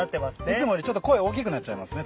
いつもよりちょっと声大きくなっちゃいますね